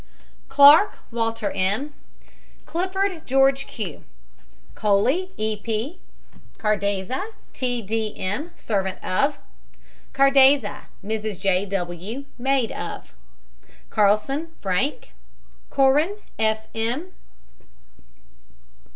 CLARK, WALTER M. CLIFFORD, GEORGE Q. COLLEY, E. P. CARDEZA, T. D. M., servant of. CARDEZA, MRS. J. W., maid of. CARLSON, FRANK. CORRAN, F. M.